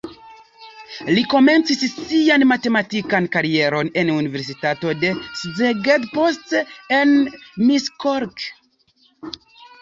Li komencis sian matematikan karieron en universitato de Szeged, poste en Miskolc.